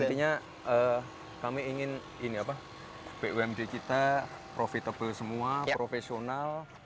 intinya kami ingin bumd kita profitable semua profesional